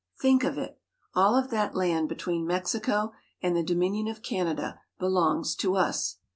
Think of it! All of that land between Mexico and the Dominion of Canada belongs to us.